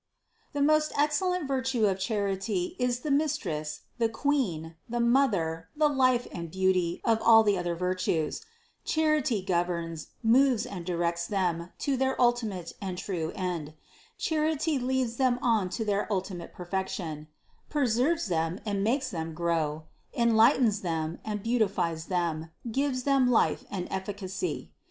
The most excellent virtue of charity is the Mis tress, the queen, the mother, the life and beauty of all the other virtues ; charity governs, moves and directs them to their ultimate and true end, charity leads them on to their ultimate perfection, preserves them and makes them grow, enlightens them and beautifies them, gives them life and efficacy.